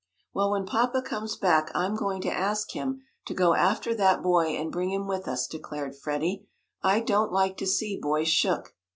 "Well, when papa comes back I'm going to ask him to go after that boy and bring him with us," declared Freddie. "I don't like to see boys shook."